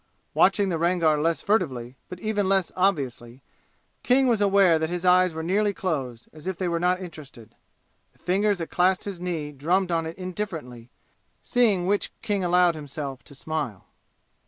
Watching the Rangar less furtively, but even less obviously, King was aware that his eyes were nearly closed, as if they were not interested. The fingers that clasped his knee drummed on it indifferently, seeing which King allowed himself to smile.